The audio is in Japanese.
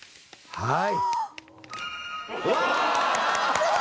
はい。